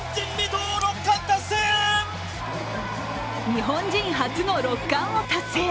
日本人初の６冠を達成。